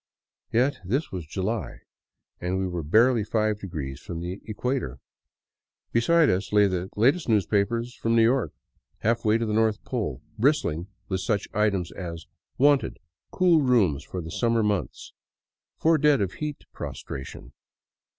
Yet this was July and we were barely five degrees from the equator. Beside us lay the latest newspapers from New York, half way to the north pole, bristling with such items as :" Wanted — Cool rooms for the summer months.^' " Four Dead of Heat Pros tration.